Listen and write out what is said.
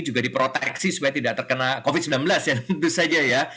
juga diproteksi supaya tidak terkena covid sembilan belas ya tentu saja ya